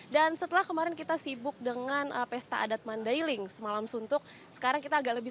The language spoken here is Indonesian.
dan setelah kemarin kita sibuk dengan pesta adat mandailing semalam suntuk sekarang kita agak lebih